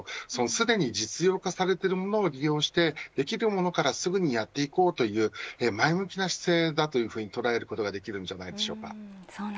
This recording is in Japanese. すでに実用化されているものを利用してできるものからすぐにやっていこうという前向きな姿勢だと捉えることができるんじゃないでしょうか。